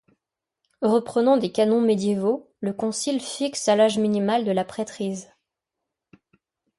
Reprenant des canons médiévaux, le concile fixe à l'âge minimal de la prêtrise.